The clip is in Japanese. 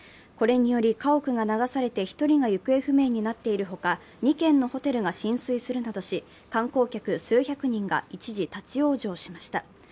これにより家屋が流されて１人が行方不明になっているほか２軒のホテルが浸水するなどし観光客数百人が一時、立往生しました。